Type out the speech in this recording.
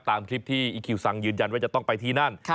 ตามคลิปที่อีคิวซังยืนยันว่าจะต้องไปที่นั่น